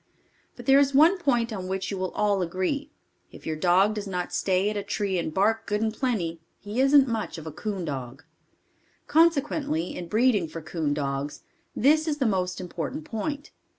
But there is one point on which you will all agree if your dog does not stay at a tree and bark good and plenty, he isn't much of a coon dog. Consequently in breeding for coon dogs, this is the most important point.